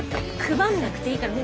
配んなくていいから。